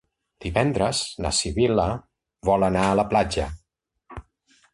Divendres na Sibil·la vol anar a la platja.